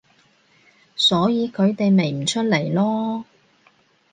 所以佢哋咪唔出嚟囉